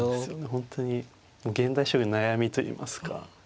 本当に現代将棋の悩みといいますか。